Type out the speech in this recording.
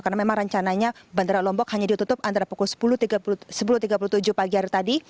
karena memang rencananya bandara lombok hanya ditutup antara pukul sepuluh tiga puluh tujuh pagi hari tadi